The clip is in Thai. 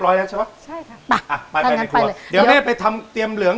แล้วพี่เริ่มข้อกระนื้อ